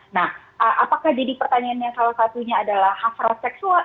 nah apakah jadi pertanyaannya salah satunya adalah hafral seksual